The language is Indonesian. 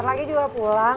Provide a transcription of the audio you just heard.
ntar lagi juga pulang